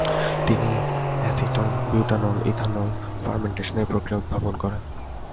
তিনি এসিটন-বিউটানল-ইথানল ফার্মেন্টেশন প্রক্রিয়া উদ্ভাবন করেন।